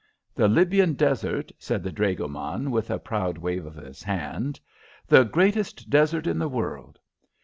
"The Libyan desert," said the dragoman, with a proud wave of his hand. "The greatest desert in the world.